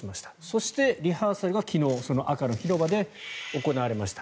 そしてリハーサルは昨日、赤の広場で行われました。